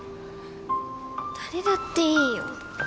誰だっていいよ。